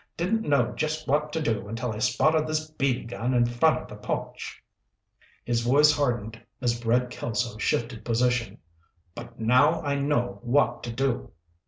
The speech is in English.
Didn't know just what to do until I spotted this BB gun in front of the porch." His voice hardened as Red Kelso shifted position. "But now I know what to do."